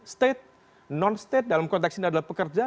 state non state dalam konteks ini adalah pekerja